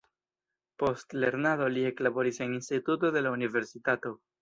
Post lernado li eklaboris en instituto de la universitato.